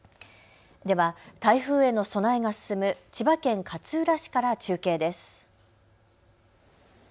では台風への備えが進む千葉県勝浦市から中継です。